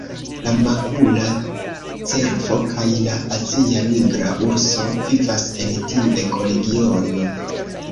La makula cervo kaj la azia nigra urso vivas en tiu ekoregiono.